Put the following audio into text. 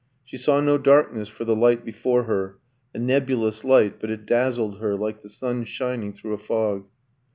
She saw no darkness for the light before her a nebulous light; but it dazzled her like the sun shining through a fog.